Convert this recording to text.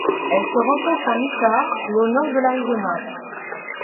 Elle se rencontre en Utah et au nord de l'Arizona.